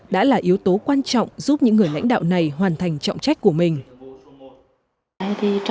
đã là yếu tố quan trọng giúp những người lãnh đạo này hoàn thành trọng trách của mình